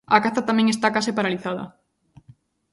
A caza tamén está case paralizada.